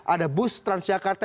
ada bus transjakarta